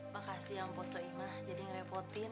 makasih yang pak soeimah jadi ngerepotin